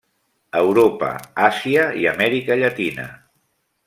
Europa, Àsia i Amèrica Llatina.